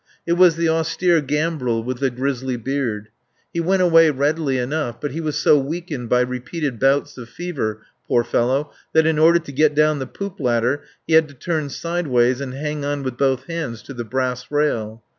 It was the austere Gambril with the grizzly beard. He went away readily enough, but he was so weakened by repeated bouts of fever, poor fellow, that in order to get down the poop ladder he had to turn sideways and hang on with both hands to the brass rail.